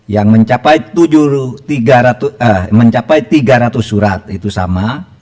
yang mencapai tiga ratus surat itu sama